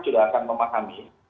sudah akan memahami